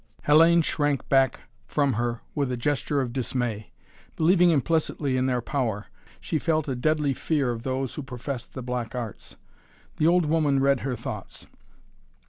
Hellayne shrank back from her with a gesture of dismay. Believing implicitly in their power, she felt a deadly fear of those who professed the black arts. The old woman read her thoughts.